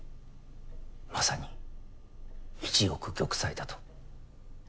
まさに一億玉砕だと。